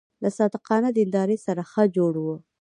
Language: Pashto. له صادقانه دیندارۍ سره ښه جوړ و.